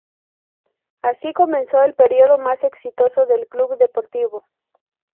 Así comenzó el período más exitoso del club deportivo.